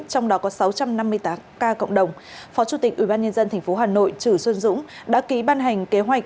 trong đó có sáu trăm năm mươi tám ca cộng đồng phó chủ tịch ubnd tp hà nội trừ xuân dũng đã ký ban hành kế hoạch